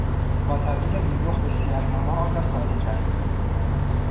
با تبدیل نیمرخ به سیهنما آن را ساده کرد.